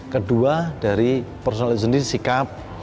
kedua dari personalisasi sikap